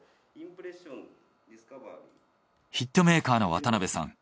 ヒットメーカーの渡辺さん